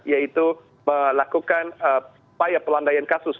yaitu melakukan upaya pelandaian kasus